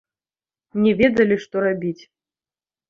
Не ведалі, што рабіць.